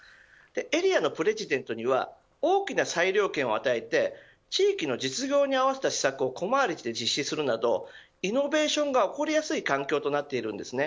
エリアのプレジデントには大きな裁量権を与えて地域の実情に合わせた施策を小回りで実施するなどイノベーションが起こりやすい環境となっています。